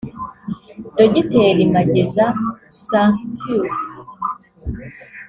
Dogiteri Mageza Sanctus